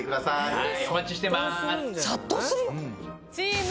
はい。